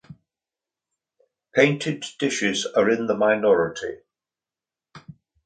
Painted dishes are in the minority.